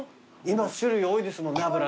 今種類多いですもんね油ね。